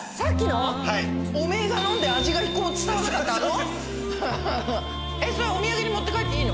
おめえが飲んで味が伝わらなかったあの？